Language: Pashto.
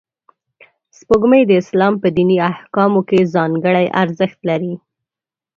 سپوږمۍ د اسلام په دیني احکامو کې ځانګړی ارزښت لري